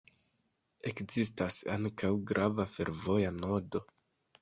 Ekzistas ankaŭ grava fervoja nodo.